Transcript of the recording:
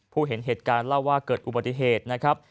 เห็นเหตุการณ์เล่าว่าเกิดอุบัติเหตุนะครับ